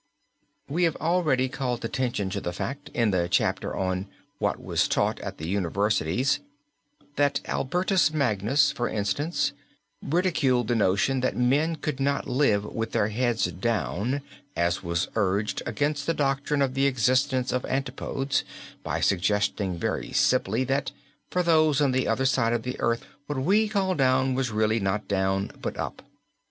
We have already called attention to the fact in the chapter on "What was Taught at the Universities," that Albertus Magnus, for instance, ridiculed the notion that men could not live with their heads down, as was urged against the doctrine of the existence of antipodes, by suggesting very simply that for those on the other side of the earth what we call down was really not down but up.